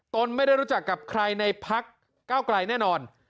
ตนไม่ได้รู้จักกับใครในพักเก้าไกลแน่นอน